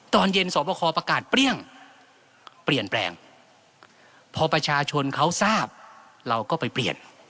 ตอนเย็นสอบคอประกาศเปรี้ยงเปลี่ยนแปลงพอประชาชนเขาทราบเราก็ไปเปลี่ยน